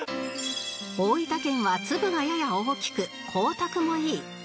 大分県は粒がやや大きく光沢もいいひとめぼれ